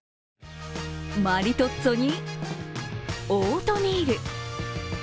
マリトッツォにオートミール。